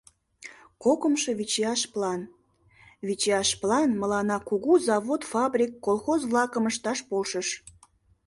— Кокымшо вичияш план... вичияш план мыланна кугу завод-фабрик, колхоз-влакым ышташ полшыш.